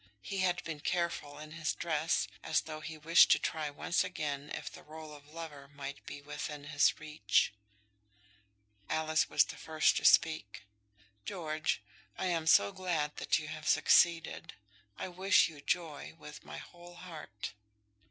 He had been careful in his dress, as though he wished to try once again if the rôle of lover might be within his reach. Alice was the first to speak. "George, I am so glad that you have succeeded! I wish you joy with my whole heart."